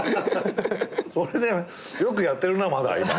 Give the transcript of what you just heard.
それでよくやってるなまだ。